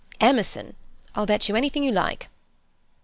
"Emerson. I'll bet you anything you like."